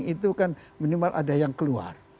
itu kan minimal ada yang keluar